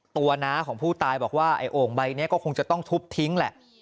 น้าของผู้ตายบอกว่าไอ้โอ่งใบนี้ก็คงจะต้องทุบทิ้งแหละ